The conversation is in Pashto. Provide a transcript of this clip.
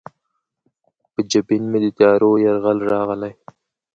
په جبین مې د تیارو یرغل راغلی